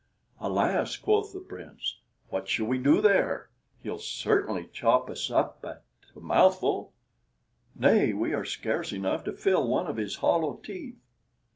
"Alas!" quoth the Prince, "what shall we do there? He'll certainly chop us up at a mouthful. Nay, we are scarce enough to fill one of his hollow teeth!"